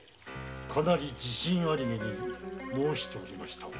かなり自信あり気に申しておりました。